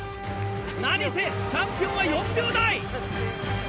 何せチャンピオンは４秒台！